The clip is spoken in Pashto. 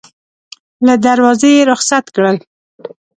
له دروازې یې رخصت کړل.